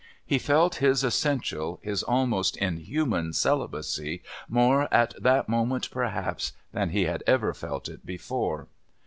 He felt his essential, his almost inhuman, celibacy more at that moment, perhaps, than he had ever felt it before.